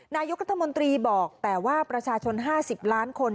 นายกรัฐมนตรีบอกแต่ว่าประชาชน๕๐ล้านคน